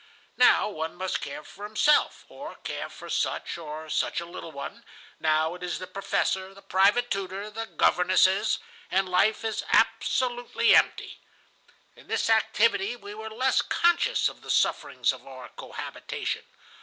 "Now one must care for himself, or care for such or such a little one, now it is the professor, the private tutor, the governesses, ... and life is absolutely empty. In this activity we were less conscious of the sufferings of our cohabitation.